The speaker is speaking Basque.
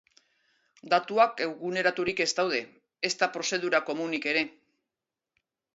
Datuak eguneraturik ez daude, ezta prozedura komunik ere.